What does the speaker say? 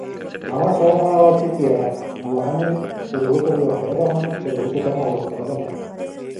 Баҕар сорох ааҕааччы этиэҕэ: «Улахан эбит, суругу суруйуохтара даҕаны, суругу тутан ааҕыахтара даҕаны